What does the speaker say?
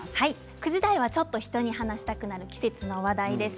９時台はちょっと人に話したくなる季節の話題です。